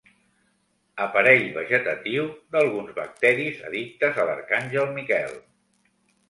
Aparell vegetatiu d'alguns bacteris addictes a l'arcàngel Miquel.